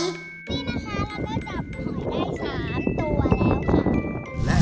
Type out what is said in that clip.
นี่นะคะเราก็จับหอยได้๓ตัวแล้วค่ะ